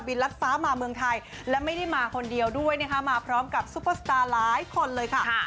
ลัดฟ้ามาเมืองไทยและไม่ได้มาคนเดียวด้วยนะคะมาพร้อมกับซุปเปอร์สตาร์หลายคนเลยค่ะ